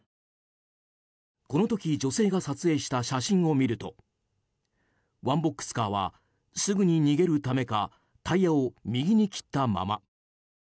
この時女性が撮影した写真を見るとワンボックスカーはすぐに逃げるためかタイヤを右に切ったまま。